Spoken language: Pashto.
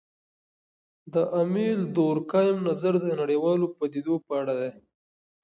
د امیل دورکهايم نظر د نړیوالو پدیدو په اړه دی.